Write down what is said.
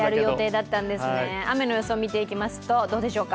雨の予想を見ていきますとどうでしょう？